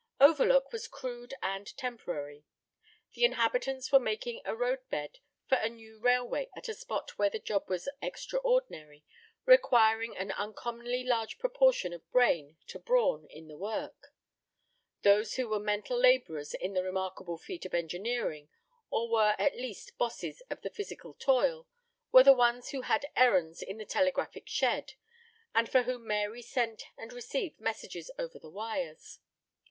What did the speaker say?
Overlook was crude and temporary. The inhabitants were making a roadbed for a new railway at a spot where the job was extraordinary, requiring an uncommonly large proportion of brain to brawn in the work. Those who were mental laborers in the remarkable feat of engineering, or were at least bosses of the physical toil, were the ones who had errands at the telegraphic shed, and for whom Mary sent and received messages over the wires.